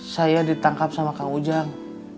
saya ditangkap sama kang ujang